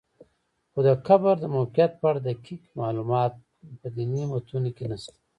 خو د قبر د موقعیت په اړه دقیق معلومات په دیني متونو کې نشته.